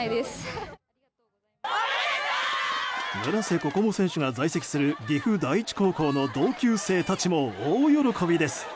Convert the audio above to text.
村瀬心椛選手が在籍する岐阜第一高校の同級生たちも大喜びです。